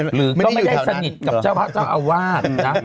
หรือก็ไม่ได้สนิทกับเจ้าพระเจ้าอาวาสนะ